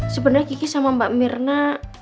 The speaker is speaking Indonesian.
sebenarnya kiki sama mbak mirna